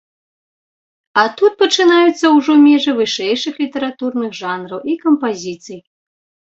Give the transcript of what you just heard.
А тут пачынаюцца ўжо межы вышэйшых літаратурных жанраў і кампазіцый.